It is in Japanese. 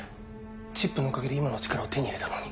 チップのおかげで今の力を手に入れたのに。